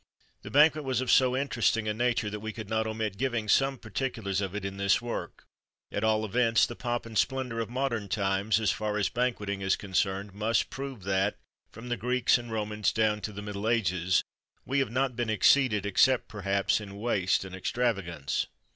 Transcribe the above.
This banquet was of so interesting a nature, that we could not omit giving some particulars of it in this work; at all events, the pomp and splendour of modern times, as far as banqueting is concerned, must prove that from the Greeks and Romans, down to the middle ages we have not been exceeded, except, perhaps, in waste and extravagance.